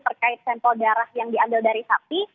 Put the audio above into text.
terkait sampel darah yang diambil dari sapi